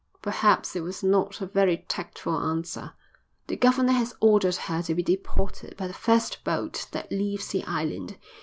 Perhaps it was not a very tactful answer. "The governor has ordered her to be deported by the first boat that leaves the island.